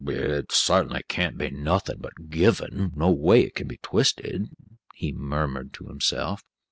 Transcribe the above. "It sartinly can't be nothin' but givin', no way it kin be twisted," he murmured to himself.